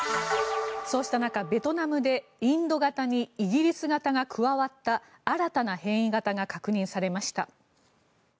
そうした中、ベトナムでインド型にイギリス型が加わった新たな変異型が確認されました。